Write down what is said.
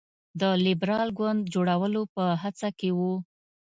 د لېبرال ګوند جوړولو په هڅه کې وو.